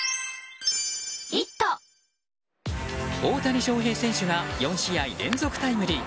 大谷翔平選手が４試合連続タイムリー。